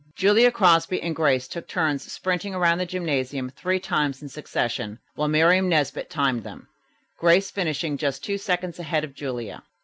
Julia Crosby and Grace took turns sprinting around the gymnasium three times in succession, while Miriam Nesbit timed them, Grace finishing just two seconds ahead of Julia.